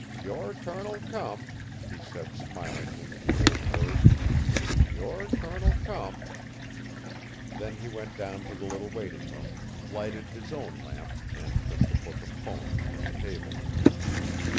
"Your turn'll come," he said smilingly in the old words, "your turn'll come." Then he went down to the little waiting room, lighted his own lamp, and took the book of poems from the table.